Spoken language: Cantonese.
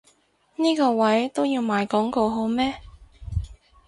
呢個位都要賣廣告好咩？